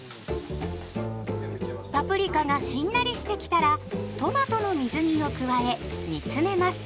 パプリカがしんなりしてきたらトマトの水煮を加え煮詰めます。